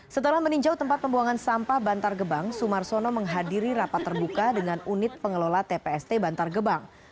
setelah meninjau tempat pembuangan sampah bantar gebang sumarsono menghadiri rapat terbuka dengan unit pengelola tpst bantar gebang